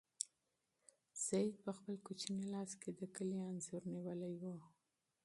سعید په خپل کوچني لاس کې د کلي انځور نیولی و.